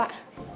kamu dukung apa